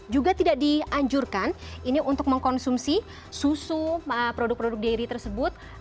juga tidak dianjurkan ini untuk mengkonsumsi susu produk produk dairy tersebut